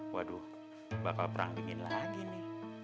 waduh bakal perang dingin lagi nih